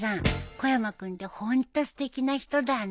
小山君ってホントすてきな人だね。